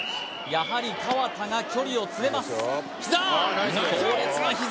やはり河田が距離を詰めます膝！